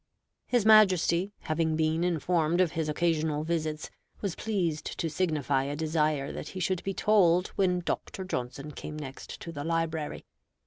His Majesty, having been informed of his occasional visits, was pleased to signify a desire that he should be told when Dr. Johnson came next to the library.